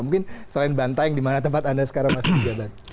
mungkin selain bantaeng di mana tempat anda sekarang masih berjalan